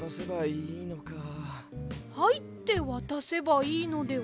「はい」ってわたせばいいのでは？